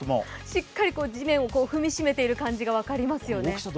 しっかり地面を踏みしめている感じが分かりますよね。